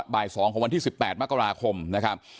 บ่าย๒ของวันที่๑๘มกราคมนะครับ